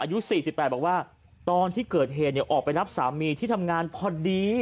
อายุ๔๘บอกว่าตอนที่เกิดเหตุออกไปรับสามีที่ทำงานพอดี